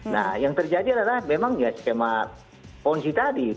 nah yang terjadi adalah memang ya skema ponzi tadi